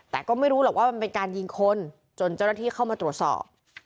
แต่ก็ไม่รู้หรอกว่ามันเป็นการยิงคนจนเจ้าหน้าที่เข้ามาตรวจสอบ